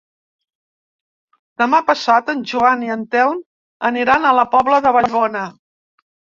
Demà passat en Joan i en Telm aniran a la Pobla de Vallbona.